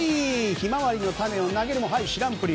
ヒマワリの種を投げるも知らんぷり。